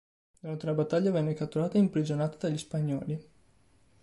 Durante una battaglia venne catturato e imprigionato dagli spagnoli.